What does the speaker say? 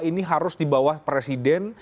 ini harus dibawa presiden